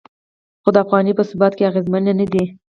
خو د افغانۍ په ثبات کې اغیزمنې نه دي.